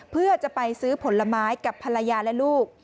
เพื่อจะไปซื้อผลไม้กับภรรยาและลูก